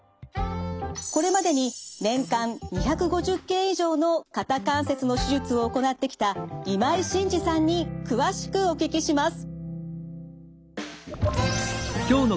これまでに年間２５０件以上の肩関節の手術を行ってきた今井晋二さんに詳しくお聞きします。